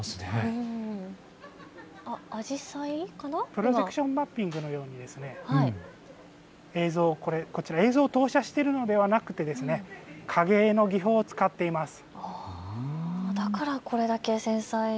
プロジェクションマッピングのように映像を投射しているのではなくて影絵の技法を使っています。